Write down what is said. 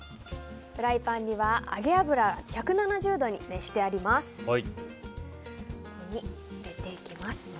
フライパンには揚げ油１７０度に熱してあります。